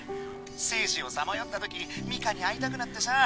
生死をさまよったときミカに会いたくなってさ。